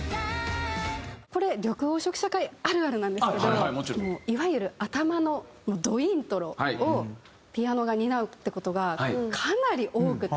これ緑黄色社会あるあるなんですけどいわゆる頭のどイントロをピアノが担うって事がかなり多くて。